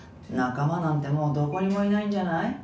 「仲間なんてもうどこにもいないんじゃない？」